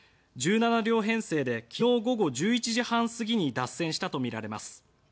１７両編成で昨日午後１１時半過ぎに脱線したとみられます。